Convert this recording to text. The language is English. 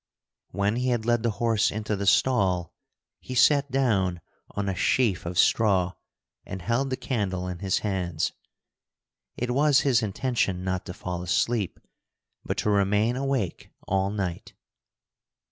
When he had led the horse into the stall, he sat down on a sheaf of straw and held the candle in his hands. It was his intention not to fall asleep, but to remain awake all night.